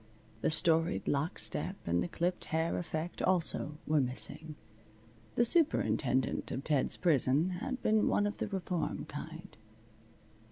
The storied lock step and the clipped hair effect also were missing. The superintendent of Ted's prison had been one of the reform kind.